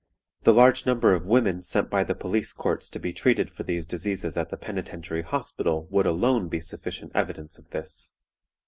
The large number of women sent by the police courts to be treated for these diseases at the Penitentiary Hospital would alone be sufficient evidence of this.